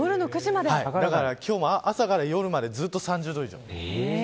だから、今日は朝から夜までずっと３０度以上。